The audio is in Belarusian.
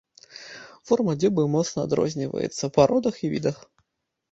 Форма дзюбы моцна адрозніваецца па родах і відах.